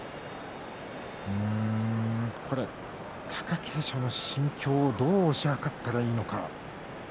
貴景勝の心境どう推し量ったらいいのか。